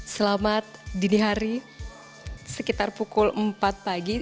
selamat dini hari sekitar pukul empat pagi